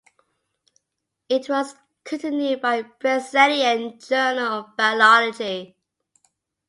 It was continued by "Brazilian Journal of Biology".